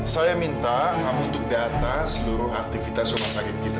saya minta kamu untuk data seluruh aktivitas rumah sakit kita